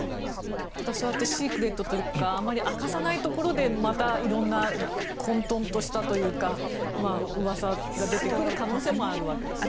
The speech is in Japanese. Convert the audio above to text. ただ、そうやってシークレットというかあまり明かさないところで混とんとしたというかうわさが出てくる可能性もあるわけですね。